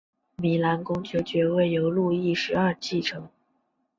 米兰公爵爵位由路易十二继承。